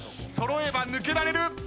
揃えば抜けられる。